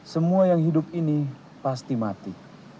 semua yang hidup ini pasti mati